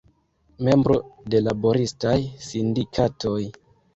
Membro de laboristaj sindikatoj.